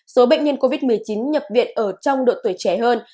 số bệnh nhân covid một mươi chín nhập viện ở trong độ tuổi trẻ hơn